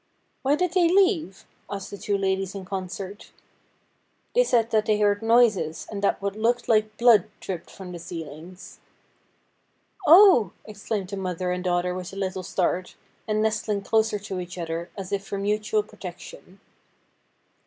' Why did they leave ?' asked the two ladies in concert. ' They said that they heard noises, and that what looked like blood dripped from the ceilings.' ' Oh !' exclaimed the mother and daughter with a little start, and nestling closer to each other, as if for mutual protection.